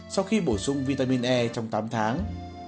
ba mươi bốn năm sau khi bổ sung vitamin e trong tám tháng